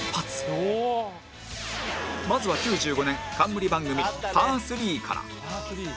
まずは９５年冠番組『パー！スリー』から